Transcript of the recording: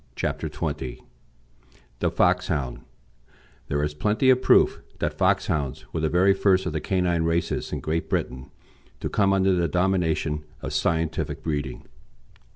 CHAPTER XX THE FOXHOUND There is plenty of proof that Foxhounds were the very first of the canine races in Great Britain to come under the domination of scientific breeding.